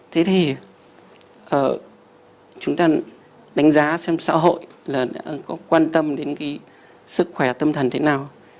thế thì chúng ta đánh giá xem xã hội là đã có quan tâm đến cái sức khỏe tâm thần thế nào